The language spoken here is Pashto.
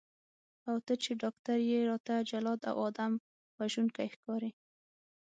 او ته چې ډاکټر یې راته جلاد او آدم وژونکی ښکارې.